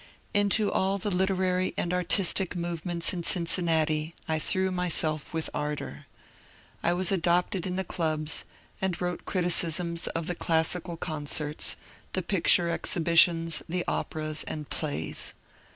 Into all the literary and artistic movements in Cincinnati I threw myself with ardour. I was adopted in the clubs, and wrote criticisms of the classical concerts, the picture exhibi tions, the operas, and plays.